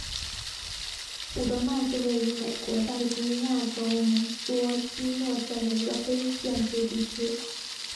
伍德曼是位于美国加利福尼亚州门多西诺县的一个非建制地区。